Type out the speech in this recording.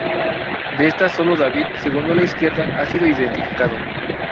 De estas solo David, segundo a la izquierda, ha sido identificado.